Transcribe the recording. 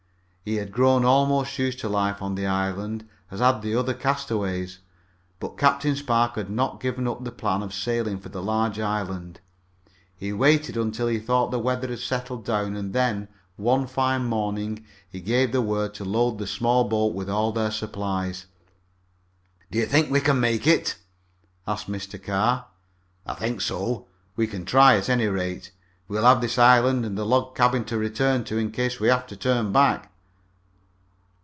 He had grown almost used to life on the island, as had the other castaways. But Captain Spark had not given up the plan of sailing for the large island. He waited until he thought the weather had settled down and then, one fine morning, he gave the word to load the small boat with all their supplies. "Do you think we can make it?" asked Mr. Carr. "I think so. We can try, at any rate. We'll have this island and the log cabin to return to in case we have to turn back."